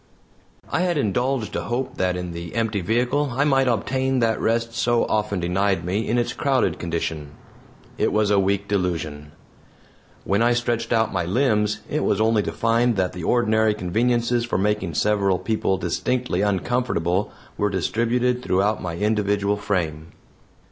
I had indulged a hope that in the empty vehicle I might obtain that rest so often denied me in its crowded condition. It was a weak delusion. When I stretched out my limbs it was only to find that the ordinary conveniences for making several people distinctly uncomfortable were distributed throughout my individual frame.